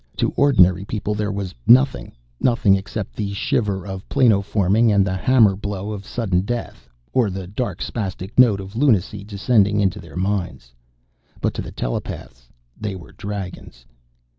To ordinary people, there was nothing, nothing except the shiver of planoforming and the hammer blow of sudden death or the dark spastic note of lunacy descending into their minds. But to the telepaths, they were Dragons.